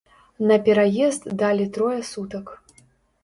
На пераезд далі трое сутак.